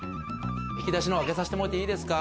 引き出しのほう、開けさせてもらっていいですか？